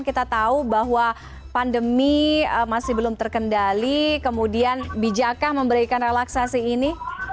kita tahu bahwa pandemi masih belum terkendali kemudian bijakkah memberikan relaksasi ini